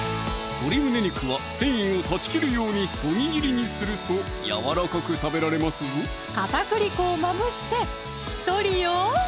鶏胸肉は繊維を断ち切るようにそぎ切りにするとやわらかく食べられますぞ片栗粉をまぶしてしっとりよ